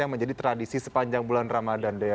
yang menjadi tradisi sepanjang bulan ramadan dea